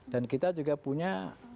dan kita juga punya